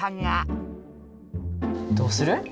どうする？